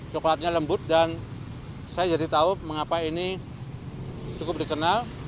coklatnya lembut dan saya jadi tahu mengapa ini cukup dikenal